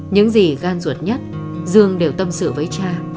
những gì gan ruột nhất dương đều tâm sự với cha